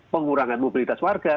pengurangan mobilitas warga